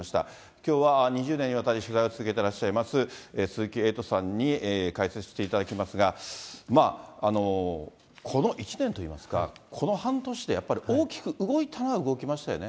きょうは２０年にわたり、取材を続けてらっしゃいます鈴木エイトさんに解説していただきますが、この１年といいますか、この半年でやっぱり大きく動いたのは動きましたよね。